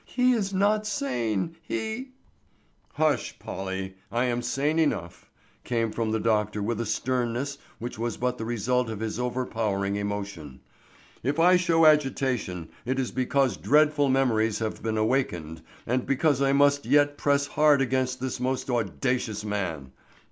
He is not sane! He——" "Hush, Polly! I am sane enough," came from the doctor with a sternness which was but the result of his overpowering emotion. "If I show agitation it is because dreadful memories have been awakened and because I must yet press hard against this most audacious man.